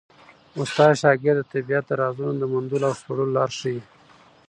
استاد شاګرد ته د طبیعت د رازونو د موندلو او سپړلو لاره ښيي.